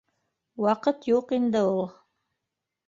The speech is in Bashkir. Ваҡыт юҡ инде ул